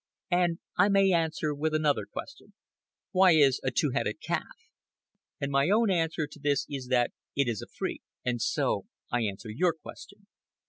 And I may answer with another question. Why is a two headed calf? And my own answer to this is that it is a freak. And so I answer your question.